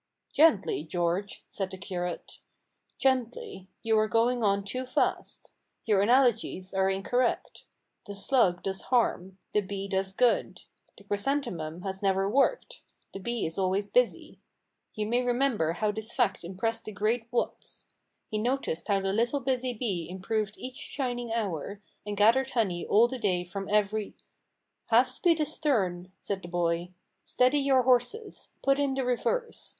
"Gently, George," said the curate, "gently. You are going on too fast. Your analogies are incorrect. The slug does harm ; the bee does good. The chrysan themum has never worked; the bee is always busy. You may remember how this fact impressed the great Watts. He noticed how the little busy bee improved each shining hour, and gathered honey all the day from every " "Half speed astern," said the boy. "Steady your horses. Put in the reverse.